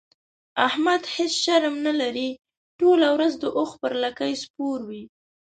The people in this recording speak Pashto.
احمد هيڅ شرم نه لري؛ ټوله ورځ د اوښ پر لکۍ سپور وي.